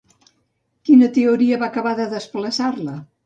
Quina teoria va acabar de desplaçar-la?